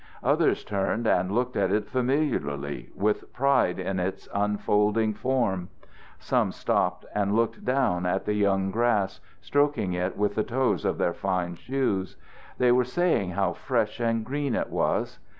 Others turned and looked at it familiarly, with pride in its unfolding form. Some stopped and looked down at the young grass, stroking it with the toes of their fine shoes; they were saying how fresh and green it was.